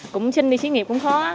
cũng sinh đi xí nghiệp cũng khó